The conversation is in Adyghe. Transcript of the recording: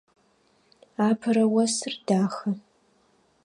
Апэрэ осыр дахэ.